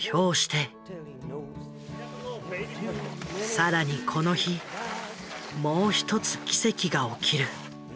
更にこの日もう一つ奇跡が起きる。